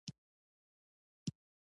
بیرغ ولې رپیږي؟